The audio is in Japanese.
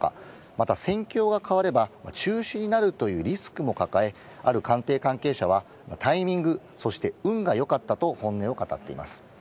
また、戦況が変われば、中止になるというリスクも抱え、ある官邸関係者は、タイミング、そして運がよかったと、本音を語っています。